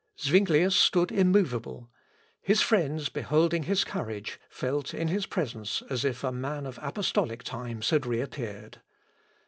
Zuinglius stood immovable. His friends beholding his courage, felt in his presence as if a man of apostolic times had reappeared.